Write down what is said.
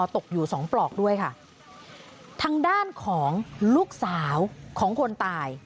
ตกอยู่สองปลอกด้วยค่ะทางด้านของลูกสาวของคนตาย